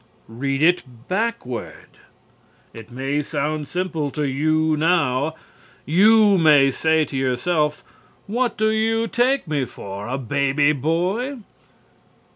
Read it backward. It may sound simple to you now. You may say to yourself, "What do you take me for, a baby boy?"